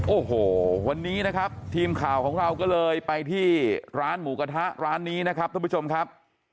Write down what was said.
โอ้โหวันนี้นะครับทีมข่าวของเราก็เลยไปที่ร้านหมูกระทะร้านนี้นะครับท่านผู้ชมครับ